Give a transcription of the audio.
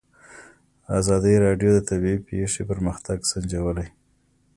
ازادي راډیو د طبیعي پېښې پرمختګ سنجولی.